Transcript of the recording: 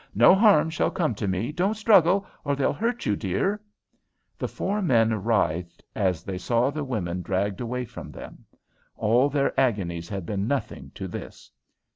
"No harm shall come to me. Don't struggle, or they'll hurt you, dear." The four men writhed as they saw the women dragged away from them. All their agonies had been nothing to this.